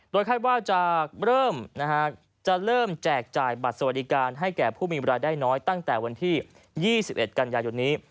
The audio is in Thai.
คาดว่าจะเริ่มจะเริ่มแจกจ่ายบัตรสวัสดิการให้แก่ผู้มีเวลาได้น้อยตั้งแต่วันที่๒๑กันยายนนี้